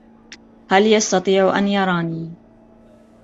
هل يستطيع أن يراني؟